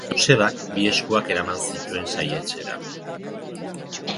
Josebak bi eskuak eraman zituen saihetsera.